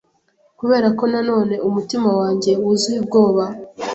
Kuberako na none umutima wanjye wuzuye ubwoba